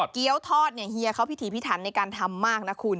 เกี้ยวทอดเฮียเขาพิธีพิธรรมในการทำมากนะคุณ